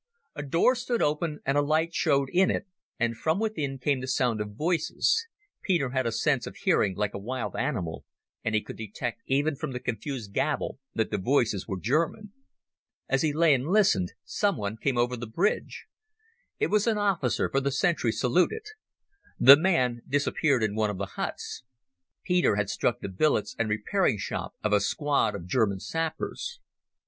A door stood open and a light showed in it, and from within came the sound of voices.... Peter had a sense of hearing like a wild animal, and he could detect even from the confused gabble that the voices were German. As he lay and listened someone came over the bridge. It was an officer, for the sentry saluted. The man disappeared in one of the huts. Peter had struck the billets and repairing shop of a squad of German sappers.